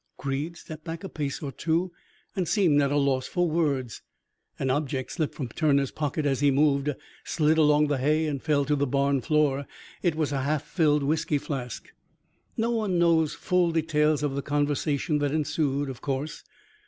Creed stepped back a pace or two and seemed at a loss for words. An object slipped from Turner's pocket as he moved, slid along the hay, and fell to the barn floor. It was a half filled whisky flask. "No one knows full details of the conversation that ensued, of course.